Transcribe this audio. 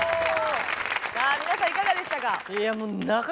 さあ皆さんいかがでしたか？